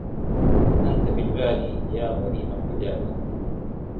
أنت في البال يا غريبا بدار